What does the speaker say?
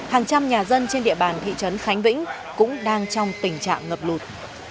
hàng trăm nhà dân trên địa bàn thị trấn khánh vĩnh cũng đang trong tình trạng ngập lụt